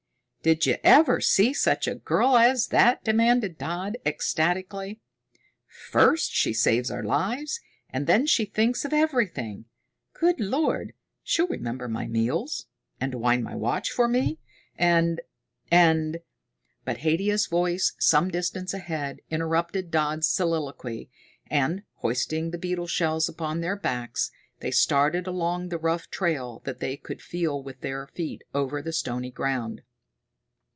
"Did you ever see such a girl as that?" demanded Dodd ecstatically. "First she saves our lives, and then she thinks of everything. Good lord, she'll remember my meals, and to wind my watch for me, and and " But Haidia's voice, some distance ahead, interrupted Dodd's soliloquy, and, hoisting the beetle shells upon their backs, they started along the rough trail that they could feel with their feet over the stony ground.